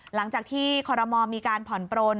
หลังจากที่คอรมอลมีการผ่อนปลน